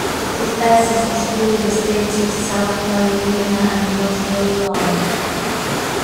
It passes through the states of South Carolina and North Carolina.